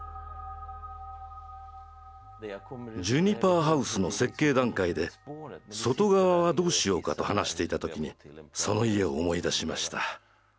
ジュニパーハウスの設計段階で「外側はどうしようか」と話していた時にその家を思い出しました。